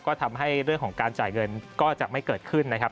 ก็ทำให้เรื่องของการจ่ายเงินก็จะไม่เกิดขึ้นนะครับ